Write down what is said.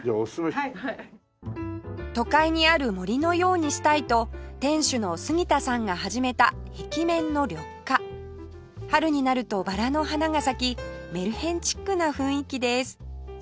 都会にある森のようにしたいと店主の杉田さんが始めた壁面の緑化春になるとバラの花が咲きメルヘンチックな雰囲気です